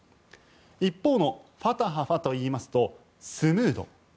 一方のファタハはといいますとスムード。